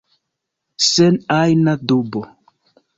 Sen ajna dubo.